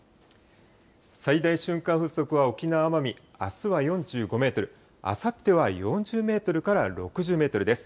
最大瞬間風速は沖縄・奄美、あすは４５メートル、あさっては４０メートルから６０メートルです。